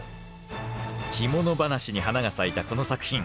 着物話に花が咲いたこの作品。